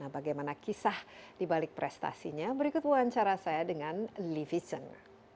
bagaimana kisah dibalik prestasinya berikut wawancara saya dengan livison